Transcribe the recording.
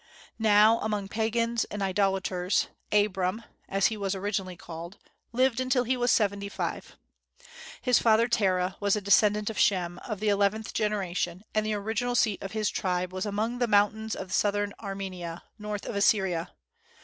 Now, among pagans and idolaters Abram (as he was originally called) lived until he was seventy five. His father, Terah, was a descendant of Shem, of the eleventh generation, and the original seat of his tribe was among the mountains of Southern Armenia, north of Assyria.